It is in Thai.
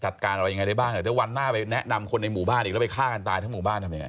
จัดการอะไรยังไงได้บ้างเดี๋ยววันหน้าไปแนะนำคนในหมู่บ้านอีกแล้วไปฆ่ากันตายทั้งหมู่บ้านทำยังไง